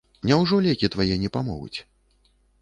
Няўжо лекі твае не памогуць?